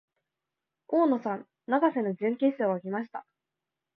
大野さん、永瀬の準決勝が来ました。